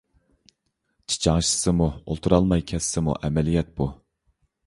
چىچاڭشىسىمۇ، ئولتۇرالماي كەتسىمۇ ئەمەلىيەت بۇ.